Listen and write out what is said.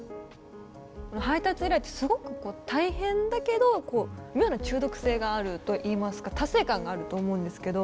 配達依頼ってすごく大変だけどこう妙な中毒性があるといいますか達成感があると思うんですけど。